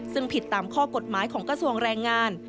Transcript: ซึ่งผิดตามข้อกฎหมายของกระทรวงแรงงาน